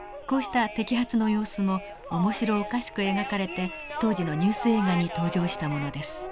こうした摘発の様子も面白おかしく描かれて当時のニュース映画に登場したものです。